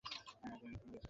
তুই এটা করতে পারবি।